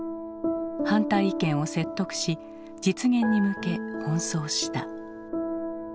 反対意見を説得し実現に向け奔走した。